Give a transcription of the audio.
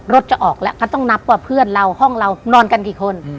จะออกแล้วก็ต้องนับว่าเพื่อนเราห้องเรานอนกันกี่คน